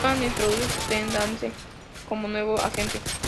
Dunham introduce Sweet Daddy Dee como su "nuevo agente".